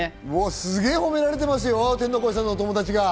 すげぇ褒められてますよ、天の声さんのお友達。